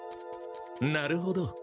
なるほど。